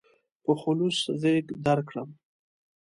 په خلوص غېږ درکړم.